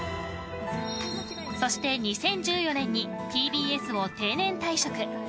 そして２０１４年にＴＢＳを定年退職。